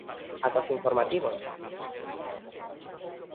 ¡Ata os informativos!